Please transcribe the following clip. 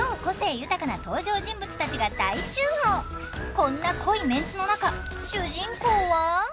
こんな濃いメンツの中主人公は。